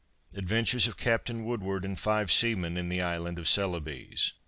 ADVENTURES OF CAPTAIN WOODWARD AND FIVE SEAMEN IN THE ISLAND OF CELEBES.